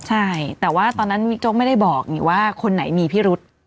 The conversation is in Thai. ใช่แต่ว่าตอนนั้นบิ๊กโจ๊กไม่ได้บอกว่าคนไหนมีพิรุษ